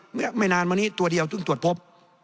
ไม่นานมานี้ตัวเดียวต้องตรวจพบ